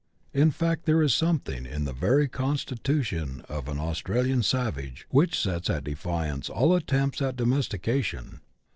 In fact there is something in the very constitution of an Aus tralian savage which sets at defiance all attempts at domesti cation.